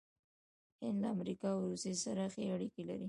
هند له امریکا او روسیې سره ښې اړیکې لري.